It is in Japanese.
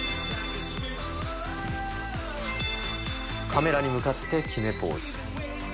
カメラに向かって決めポーズ。